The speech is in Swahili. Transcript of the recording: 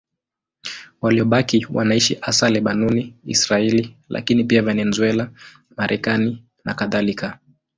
Waliobaki wanaishi hasa Lebanoni, Israeli, lakini pia Venezuela, Marekani nakadhalika.